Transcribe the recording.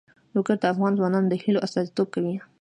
لوگر د افغان ځوانانو د هیلو استازیتوب کوي.